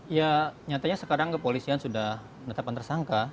ya nyatanya sekarang kepolisian sudah menetapkan tersangka